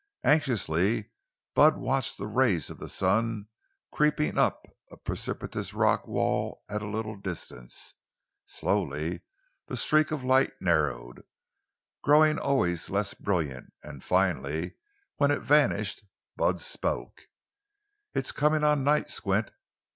Anxiously Bud watched the rays of the sun creeping up a precipitous rock wall at a little distance. Slowly the streak of light narrowed, growing always less brilliant, and finally, when it vanished, Bud spoke: "It's comin' on night, Squint.